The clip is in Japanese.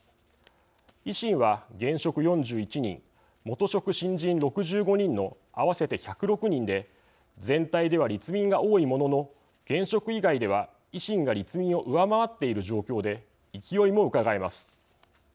維新は現職４１人元職・新人６５人の合わせて１０６人で全体では立民が多いものの現職以外では維新が立民を上回っている状況で勢いもうかがえます。